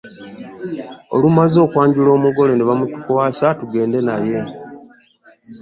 Olumaze okwanjula omugole nebamutukuwasa tugende naye.